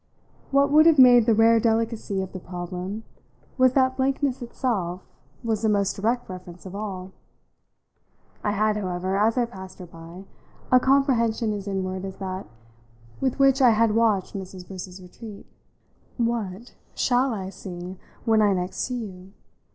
What would have made the rare delicacy of the problem was that blankness itself was the most direct reference of all. I had, however, as I passed her by, a comprehension as inward as that with which I had watched Mrs. Briss's retreat. "What shall I see when I next see you?"